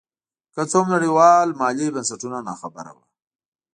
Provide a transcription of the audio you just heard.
که څه هم نړیوال مالي بنسټونه نا خبره وو.